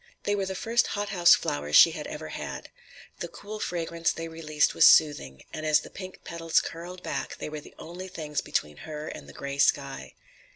They were the first hothouse flowers she had ever had. The cool fragrance they released was soothing, and as the pink petals curled back, they were the only things between her and the gray sky.